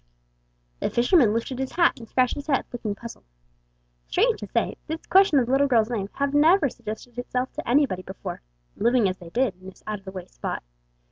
The fisherman lifted his hat and scratched his head, looking puzzled. Strange to say, this question of the little girl's name had never suggested itself to anybody before, living as they did in this out of the way spot.